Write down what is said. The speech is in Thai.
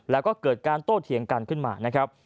แล้วก็เกิดการโต้เถียงกันขึ้นมานะครับ